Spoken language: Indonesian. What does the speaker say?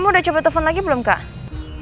kamu udah coba telepon lagi belum kak